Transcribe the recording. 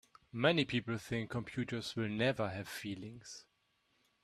Many people think computers will never have feelings.